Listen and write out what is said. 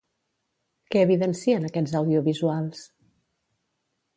Què evidencien aquests audiovisuals?